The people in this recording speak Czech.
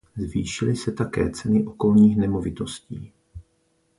Zvýšily se také ceny okolních nemovitostí.